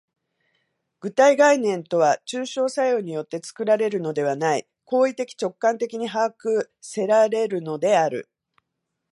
具体概念とは抽象作用によって作られるのではない、行為的直観的に把握せられるのである。